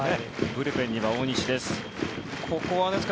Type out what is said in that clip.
ブルペンには大西です。